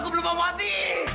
aku belum mau mati